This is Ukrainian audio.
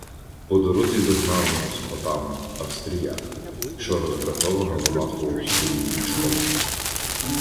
По дорозі догнав нас отаман-"австріяк", що роздратовано вимахував своїм бучком.